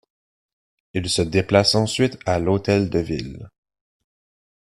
Il se déplace ensuite à l'hôtel de ville.